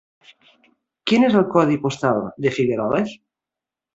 Quin és el codi postal de Figueroles?